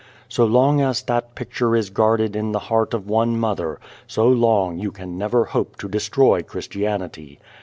So long as that picture is guarded in the heart of one mother, so long you can never hope to destroy Christianity.